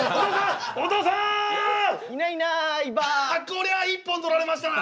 こりゃ一本取られましたな。